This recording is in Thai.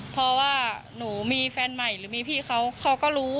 เพราะว่าหนูมีแฟนใหม่หรือมีพี่เขาเขาก็รู้